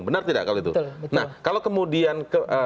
benar tidak kalau itu nah kalau kemudian